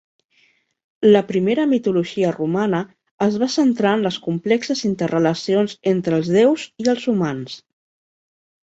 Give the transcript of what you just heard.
La primera mitologia romana es va centrar en les complexes interrelacions entre els déus i els humans.